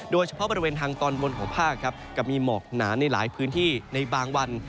โดยเฉพาะบริเวณทางตอนบนของภาคครับกับมีหมอกหนาในหลายพื้นที่ในบางวัน